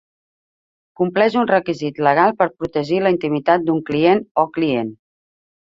Compleix un requisit legal per protegir la intimitat d'un client o client.